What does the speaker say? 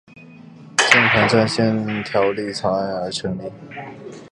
键盘战线条例草案而成立。